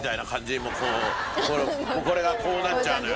これがこうなっちゃうのよ。